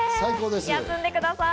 休んでください。